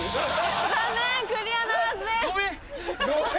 残念クリアならずです。